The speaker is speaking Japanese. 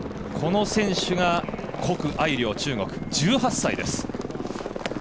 この選手が谷愛凌、中国１８歳です。